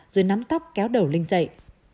rồi nắm tóc kéo đầu linh dậy